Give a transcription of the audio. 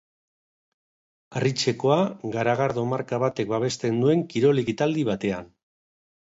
Harritzekoa garagardo marka batek babesten duen kirol-ekitaldi batean.